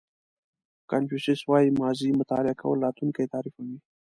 کانفیوسیس وایي ماضي مطالعه کول راتلونکی تعریفوي.